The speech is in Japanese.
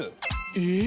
・えっ！？